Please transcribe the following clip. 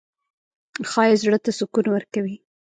ښایست زړه ته سکون ورکوي